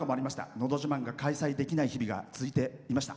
「のど自慢」が開催できない日々が続いていました。